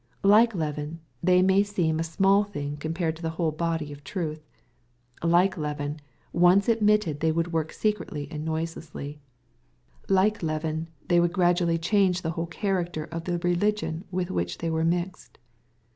Like leaven, they might seem a small thing compared to the whole body of truth. Like leaven, once admitted they would work secretly and noiselessly. Like leaven, they would gradually change the whole character of the religion with which they were mixed.